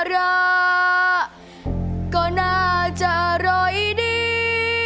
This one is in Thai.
น่ารักก็น่าจะร้อยดี